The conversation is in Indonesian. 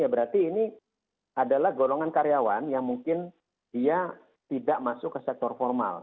berarti ini adalah golongan karyawan yang mungkin dia tidak masuk ke sektor formal